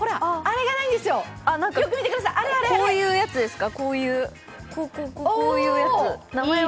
なんか、こういうやつですか？